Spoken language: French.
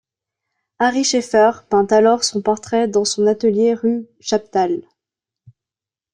Ary Scheffer peint alors son portrait dans son atelier rue Chaptal.